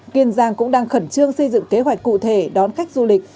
kiên giang cũng đang khẩn trương xây dựng kế hoạch cụ thể đón khách du lịch